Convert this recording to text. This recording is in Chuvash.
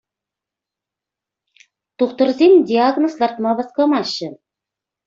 Тухтӑрсем диагноз лартма васкамаҫҫӗ.